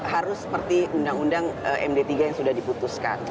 harus seperti undang undang md tiga yang sudah diputuskan